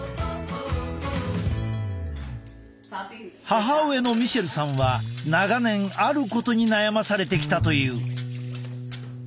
母親のミシェルさんは長年あることに悩まされてきたという。